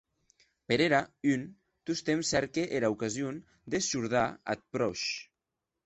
Per era, un, tostemp cèrque era ocasión de shordar ath pròche.